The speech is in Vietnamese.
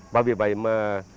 và vì vậy mà